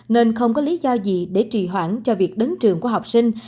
nên không có lý do gì để trì hoãn cho việc đến trường của học sinh